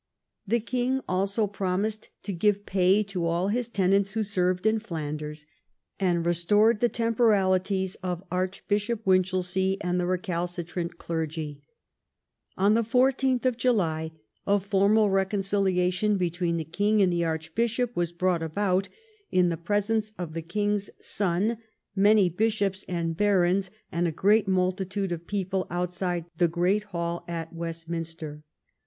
The king also promised to give pay to all his tenants who served in Flanders, and restored the temporalities of Archbishop Winch elsea and the recalcitrant clergy. On 14th July a formal reconciliation between the king and the archbishop was brought about, in the presence of the king's son, many bishops and barons, and a great multitude of people outside the great hall at West minster.